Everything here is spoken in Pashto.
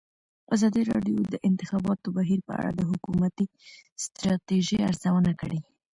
ازادي راډیو د د انتخاباتو بهیر په اړه د حکومتي ستراتیژۍ ارزونه کړې.